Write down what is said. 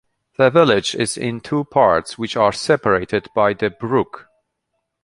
The village is in two parts which are separated by the brook.